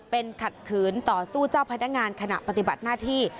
เป็นขัดขืนต่อสู้เจ้าพนักงานขณะปฏิบัติหน้าที่